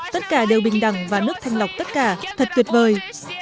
tất cả đều bình đẳng và nước thanh lọc tất cả thật tuyệt vời